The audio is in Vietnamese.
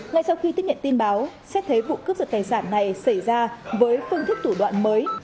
ngay sau khi tiếp nhận tin báo xét thấy vụ cướp giật tài sản này xảy ra với phương thức thủ đoạn mới